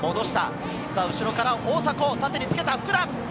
後ろから大迫、縦につけた福田！